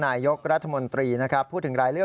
นายยกรัฐมนตรีพบกับทัพนักกีฬาที่กลับมาจากโอลิมปิก๒๐๑๖